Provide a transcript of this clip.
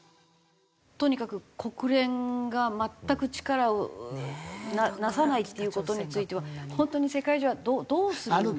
とにかく国連が全く力をなさないっていう事については本当に世界中はどうする？